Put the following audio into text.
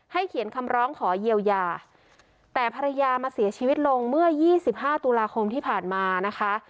เขียนคำร้องขอเยียวยาแต่ภรรยามาเสียชีวิตลงเมื่อ๒๕ตุลาคมที่ผ่านมานะคะ